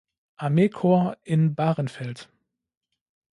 Armee-Korps in Bahrenfeld.